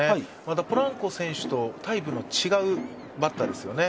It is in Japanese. ポランコ選手とタイプの違うバッターですよね。